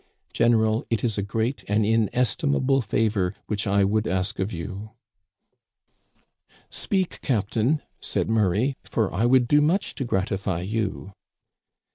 Gen eral, it is a great, an inestimable favor which I would ask of you.' "* Speak, captain,' said Murray, *for I would do much to gratify you.'